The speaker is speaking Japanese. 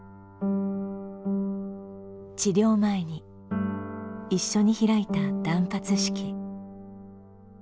治療前に一緒に開いた断髪式。